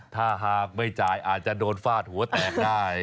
ถ้าหากไม่จ่ายอาจจะโดนฟาดหัวแตกได้